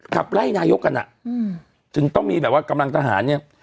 ขับไล่นายกกันอ่ะอืมถึงต้องมีแบบว่ากำลังทหารเนี่ย